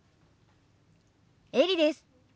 エリです。